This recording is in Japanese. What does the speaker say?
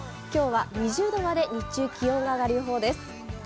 今日は２０度まで日中、気温が上がる予報です。